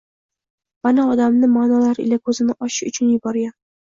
bani odamni ma’nolar ila ko‘zini ochish uchun yuborgan